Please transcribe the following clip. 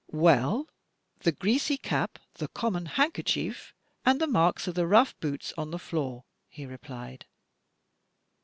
"Well, — the greasy cap, the common handkerchief, and the marks of the rough boots on the floor," he replied.